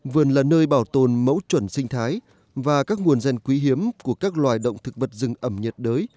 vườn là nơi bảo tồn mẫu chuẩn sinh thái và các nguồn gen quý hiếm của các loài động thực vật rừng ẩm nhiệt đới